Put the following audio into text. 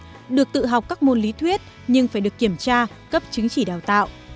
b được tự học các môn lý thuyết nhưng phải được kiểm tra cấp chứng chỉ đào tạo